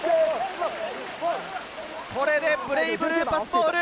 これでブレイブルーパスボール。